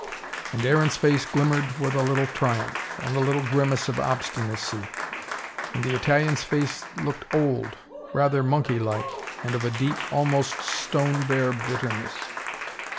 And Aaron's face glimmered with a little triumph, and a little grimace of obstinacy. And the Italian's face looked old, rather monkey like, and of a deep, almost stone bare bitterness.